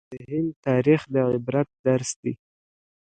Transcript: د هند تاریخ د عبرت درس دی.